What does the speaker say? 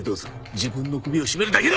自分の首を絞めるだけだ！